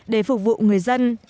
để phục vụ người dân